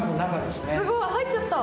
すごい入っちゃった。